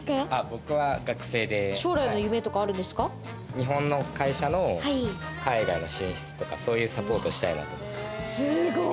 僕は学生で、日本の会社の海外の進出とか、そういうサポートをしたいなと思います。